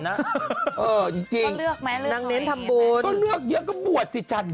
นางเลือกเยอะก็บวชสิจัน